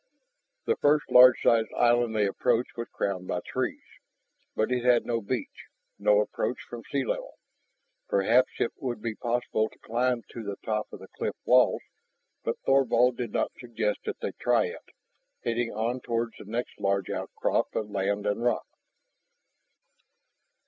The first large sized island they approached was crowned by trees, but it had no beach, no approach from sea level. Perhaps it might be possible to climb to the top of the cliff walls. But Thorvald did not suggest that they try it, heading on toward the next large outcrop of land and rock.